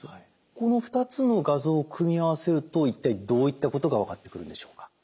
この２つの画像を組み合わせると一体どういったことが分かってくるんでしょうか？